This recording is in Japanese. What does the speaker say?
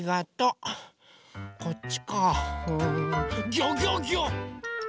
ギョギョギョ！